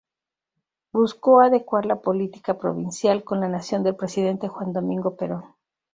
Buscó adecuar la política provincial con la nacional del presidente Juan Domingo Perón.